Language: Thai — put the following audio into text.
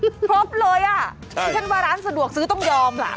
พร้อมเลยอะเพราะฉะนั้นว่าร้านสะดวกซื้อต้องยอมล่ะ